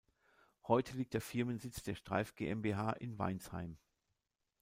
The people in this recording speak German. Heute liegt der Firmensitz der Streif GmbH in Weinsheim.